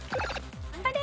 頑張れ！